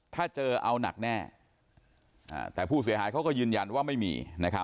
ถ้าเจอเอาหนักแน่แต่ผู้เสียหายเขาก็ยืนยันว่าไม่มี